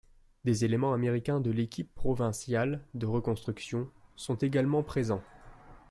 Des éléments américains de l'équipe provinciale de reconstruction, sont également présents.